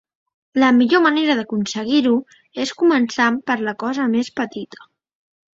La millor manera d'aconseguir-ho és començant per la cosa més petita.